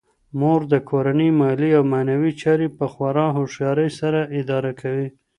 مور د کورنۍ مالي او معنوي چارې په خورا هوښیارۍ سره اداره کوي